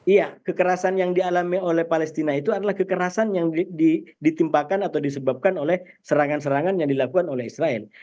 iya kekerasan yang dialami oleh palestina itu adalah kekerasan yang ditimpakan atau disebabkan oleh serangan serangan yang dilakukan oleh israel